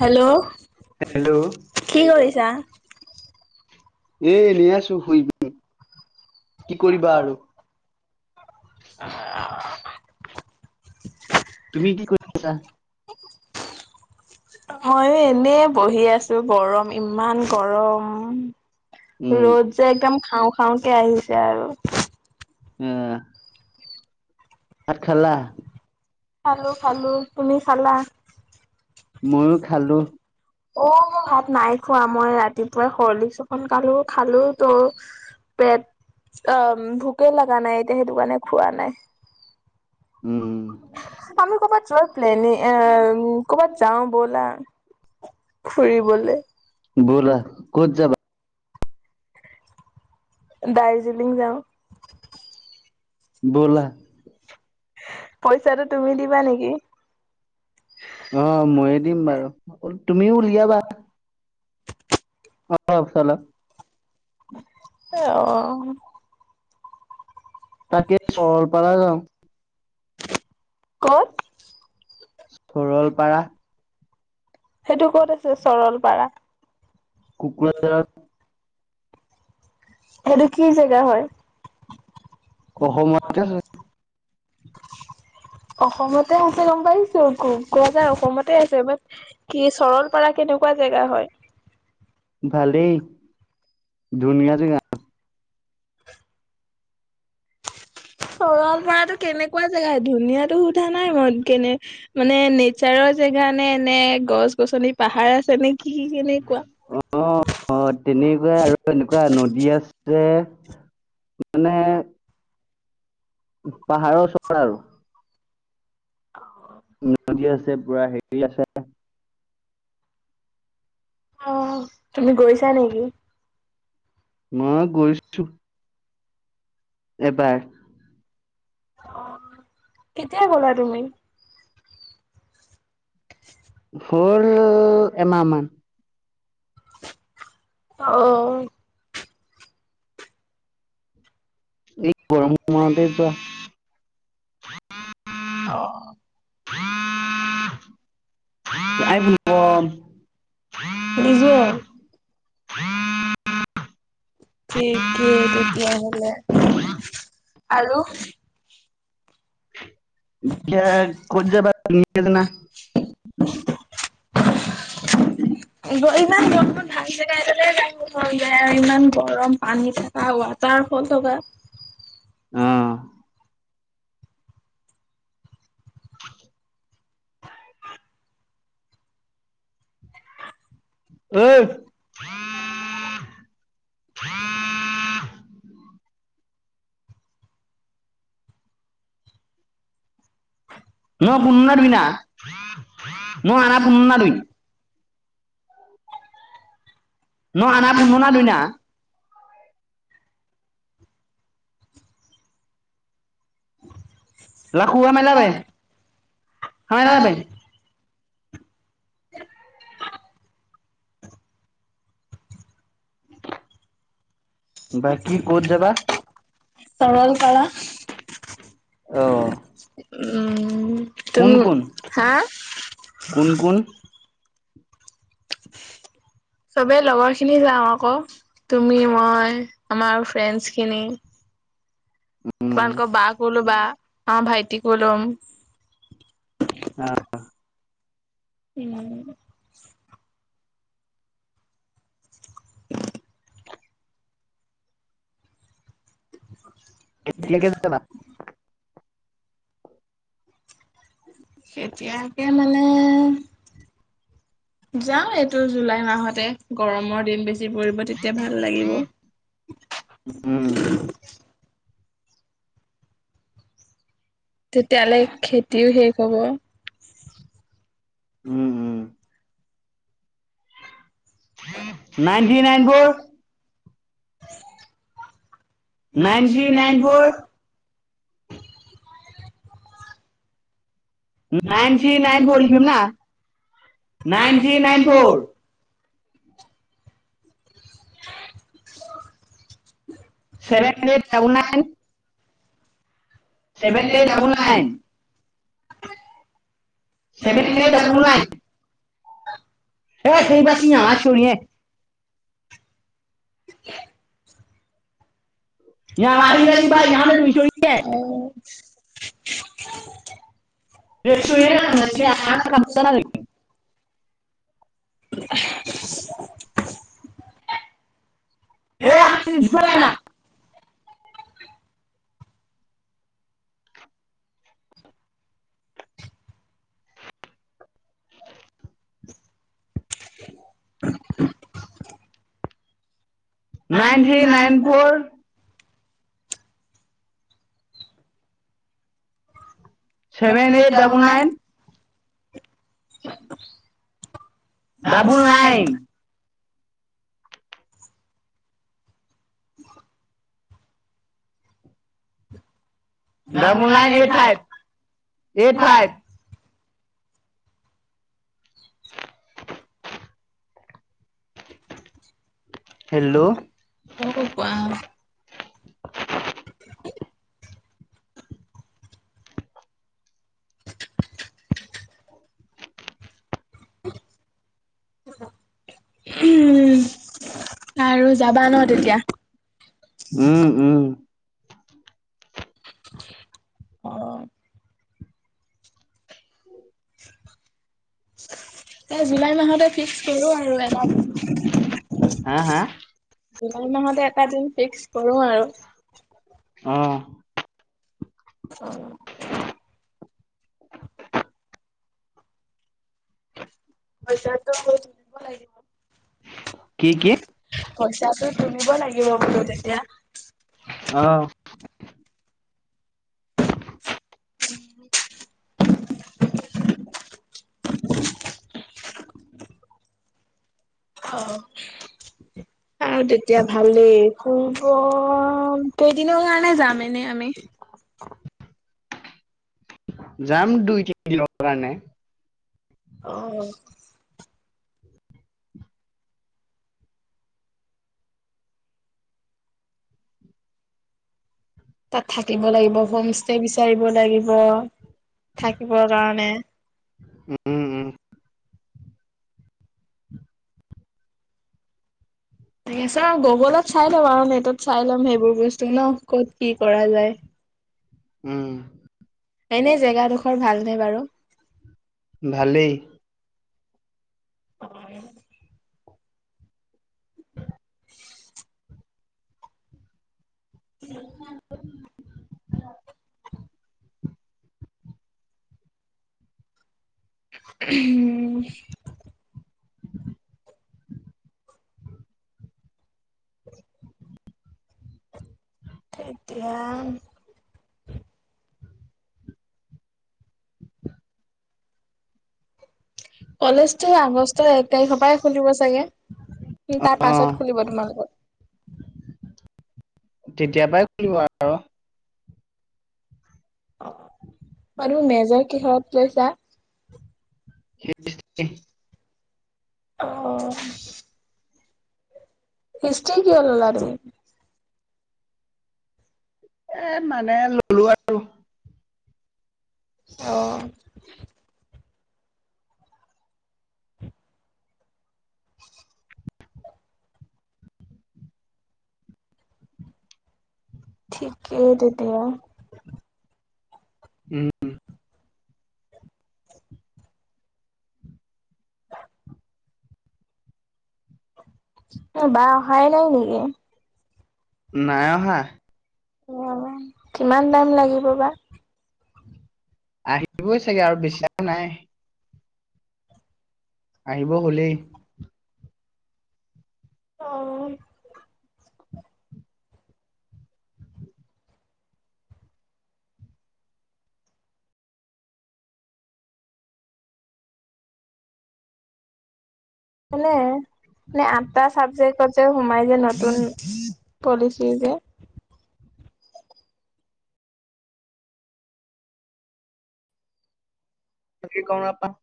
Hello hello কি কৰিছা? এ ল আছো শুবি। কি কৰিবা আৰু? আহ। তুমি কি কৰি আছা? মইয়ো এনে বহি আছো গৰম ইমান গৰম। উম ৰ'জ যে একদম খাওঁ খাওঁকে আহিছে আৰু উম আঠ খেলা? খালো খালো। তুমি খালা? ময়ো খালো অ', ভাত নাই। খোৱা মই ৰাতিপুৱাই খৰ্লি চখন কালো খালো ত পেট অ, ভোকে লাগে [unintelligible] নাই এতিয়া সেইটো কাৰণে খোৱা নাই। উম আমি ক''বাত যোৱা প্লেনি ক''বাত যাও ব'লা। ফুৰিবলে। ব'লা ক'ত যাবা? দাৰ্জিলিং যাওঁ। ব'লা পইচাটো তুমি দিবা নি এক অ ময়ে দিম বাৰু। তুমিও উলিয়া বা! অ', [unintelligible] [unintelligible] অ', তাকে সৰলপাৰা যাওঁ। ক'ত? সৰলপাৰা। সেইটো ক'ত আছে চৰলপাৰা? কুক সেইটো কি জেগা হয়? অসমতে [unintelligible] অসমত তাছে গম পাইছো কোৱা যাৰ অসমতে আছে বাট কি চৰল পাৰা কেনেকুৱা জেগা হয়? [unintelligible] ভালেই ধুনীয়া যেগাটো গ [unintelligible] সৰালপাৰ তো কেনেকুৱা জেগা ধুনীয়া তু [unintelligible] [unintelligible] মন কেনে মানে নেচাৰত। জেগানে এনে গছ গছনি পাহাৰ আছে নেকি? অ', অ', তেনেকুৱা আৰু এনেকুৱা নদী আছে। মানে পাহাৰৰ ওচৰতে আৰু। উ দিয়া আছে। [unintelligible] আছে পুৰা হেৰি আছে। অ', তুমি গৈছা নেকি? মই গৈছো এবাৰ। কেতিয়া গ'লা তুমি? [inaudible] হ'ল এমাহমান অঁ এই গৰমৰ মনতে যোৱা অ', [inaudible] বুজিছো উম [unintelligible] ঠিকে তেতিয়া হ আৰু? হয়। জানা ইমান গৰমটোত ভাল জেগা এটালে যাব মন যায় ইমান গৰম পানী থকা ৱাটাৰ ফল থকা। অঁ, [inaudible] ঐ [inaudible] মই পূৰ্ণ দুইনা মই আনা পূৰ্ণ দুুইন মই আনা [unintelligible] উ [unintelligible] ৰাখো আমে লবে হে লবে বাকী ক'ত যাবা [unintelligible] অ উম তুম কোন কোন হা কোন কোন চবে লগৰ খিনি যাওঁ আকৌ তুমি মই আমাৰ ফ্ৰেণ্ড খিনি। উম অ ভাইটিকো লম অ উম [inaudible] এতিয়া [unintelligible] যাবা [unintelligible] কেতিয়াকে মানে যাও এইটো জুলাই মাহতে গৰমৰ দিন বেছি [unintelligible] ৰিব তেতিয়া ভাল লাগিব উম তেতিয়ালে খেতিও শেষ হব উম উম nine three nine four nine three nine four nine three nine four লিখিম না nine three nine four seven eight double nine seven eight double nine এ সেই বাছ আাছ নে [inaudible] ন [inaudible] [inaudible] [inaudible] এই আপনি [unintelligible] nine three nine four seven eight double nine double nine. ব [unintelligible] double nine eight five eight five অ কোৱা। উম আৰু যাবা ন তেতিয়া। উম উম অ এ জুলাই মাহতে ফিক্স কৰো আৰু হা হা জুলাই মাহতে এটা দিন ফিক্স কৰো আৰু অ [unintelligible] পইচাটো তুলিব লাগিব। কি কি পইচাটো তুলিব লাগিব বোলো তেতিয়া অ [unintelligible] অ আৰু তেতিয়া ভালেই ফুৰিব কেইদিনৰ কাৰণে যাম এনে আমি? যাম দুই তিনি দিনৰ কাৰণে। অ তাত থাকিব লাগিব হোম ষ্টে বিচাৰিব লাগিব। থাকিবৰ কাৰণে উম উম এ চাওঁ গ বলত চাই ল'ম আৰু নেটত চাই ল'ম সেইবোৰ বস্তু ন ক'ত কি কৰা যায়। উম এনে জেগাডোখৰ ভালনে বাৰু? ভালেই। হয় উ [unintelligible] [unintelligible] [unintelligible] উম এতিয়া কলেজতটো আগষ্টৰ এক তাৰিখৰ পৰাই খুলিব চাগে, কি অ তাৰ পাছত খুলিব তোমালোকৰ? তেতিয়াৰ পৰাই খুলিব আৰু। আৰু মেজৰ কিহত লৈছা? স [unintelligible] অ' হিষ্টৰি কিললজ। অ' মানে ললো আৰু। অঅ। ঠিকেই দতিয়া। উম উম বা অহাই নাই নেকি? নাই অহা। অ, কিমান দাম লাগিব বা? আহিবই চাগে আৰু বেছিৰাও নাই। আহিব হলেই। অ' মানে নে আম। এটা চাবজেক্টত যে সোমাই যে নতুন পলিচি যে তে কন আ [unintelligible]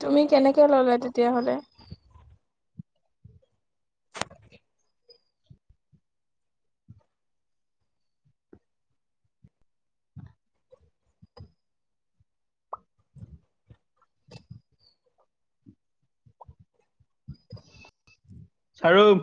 তুমি কেনেকে ললে তেতিয়াহলে? [inaudible] শ্বৰুখ।